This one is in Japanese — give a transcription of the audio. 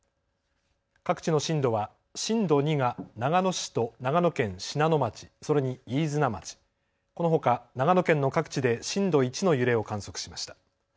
各地の震度は震度２が長野市と長野県信濃町、それに飯綱町、このほか長野県の各地で震度１の揺れを観測しました。